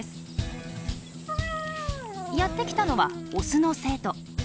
やって来たのはオスの生徒。